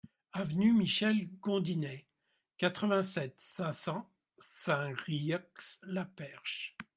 Avenue Michel Gondinet, quatre-vingt-sept, cinq cents Saint-Yrieix-la-Perche